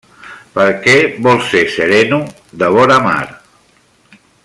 Perquè vol ser sereno de vora mar.